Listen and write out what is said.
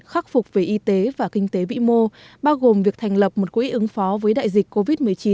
khắc phục về y tế và kinh tế vĩ mô bao gồm việc thành lập một quỹ ứng phó với đại dịch covid một mươi chín